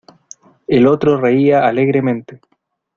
el otro reía alegremente: